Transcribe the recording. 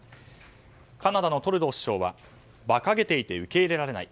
カナダのトルドー首相は馬鹿げていて受け入れられない。